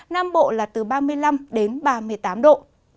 nam bộ là từ ba mươi năm đến ba mươi tám độ